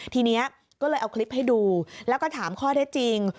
ทีนี้ก็เลยเอาคลิปให้ดูแล้วก็ถามข้อได้จริง